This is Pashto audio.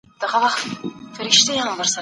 په ځینو هېوادونو کې طلاق ډېر سوی دی.